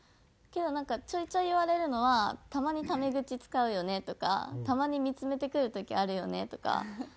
けどなんかちょいちょい言われるのは「たまにタメ口使うよね」とか「たまに見つめてくる時あるよね」とか。